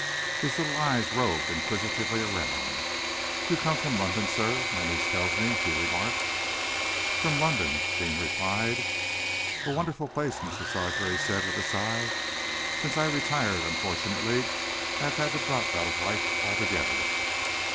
His little eyes roved inquisitively around. "You come from London, sir, my niece tells me," he remarked. "From London," Deane replied. "A wonderful place!" Mr. Sarsby said, with a sigh. "Since I retired, unfortunately, I have had to drop out of life altogether."